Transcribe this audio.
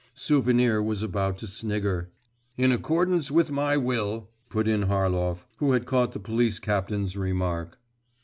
Souvenir was beginning to snigger.… 'In accordance with my will,' put in Harlov, who had caught the police captain's remark.